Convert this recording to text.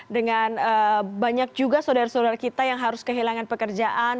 dengan banyak juga saudara saudara kita yang harus kehilangan pekerjaan